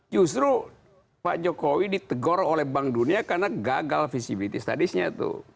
justru pak jokowi ditegor oleh bank dunia karena gagal visibility studies nya itu